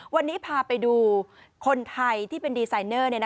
วันนี้พาไปดูคนไทยที่เป็นดีไซเนอร์